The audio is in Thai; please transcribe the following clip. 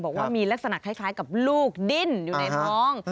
บอกว่ามีลักษณะคล้ายกับลูกดิ้นอยู่ในท้อง